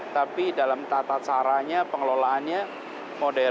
tapi dalam tata caranya pengelolaannya modern